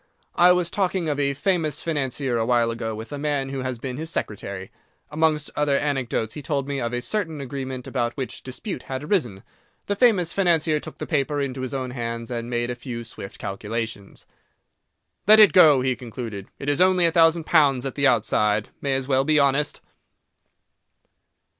I was talking of a famous financier a while ago with a man who had been his secretary. Amongst other anecdotes, he told me of a certain agreement about which dispute had arisen. The famous financier took the paper into his own hands and made a few swift calculations. "Let it go," he concluded, "it is only a thousand pounds at the outside. May as well be honest."